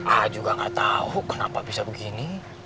a juga gak tahu kenapa bisa begini